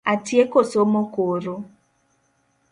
Atieko somo koro